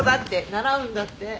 習うんだって。